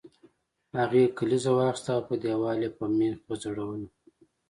هغې کلیزه واخیسته او په دیوال یې په میخ وځړوله